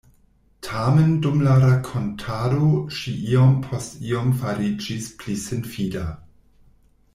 Tamen dum la rakontado ŝi iom post iom fariĝis pli sinfida.